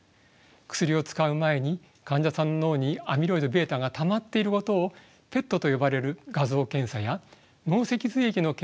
薬を使う前に患者さんの脳にアミロイドβがたまっていることをＰＥＴと呼ばれる画像検査や脳脊髄液の検査で証明します。